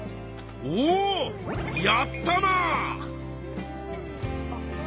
おやったな！